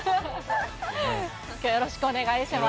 きょうよろしくお願いします。